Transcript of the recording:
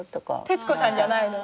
徹子さんじゃないの？